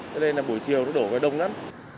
thế nên là buổi chiều nó đổ vào đông lắm